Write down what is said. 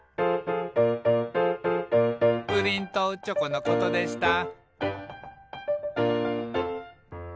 「プリンとチョコのことでした」